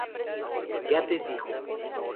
Yates dijo.